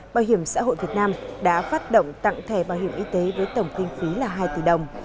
bảo hiểm xã hội việt nam đã phát động tặng thẻ bảo hiểm y tế với tổng kinh phí là hai tỷ đồng